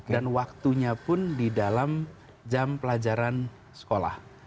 dan waktunya pun di dalam jam pelajaran sekolah